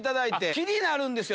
気になるんですよ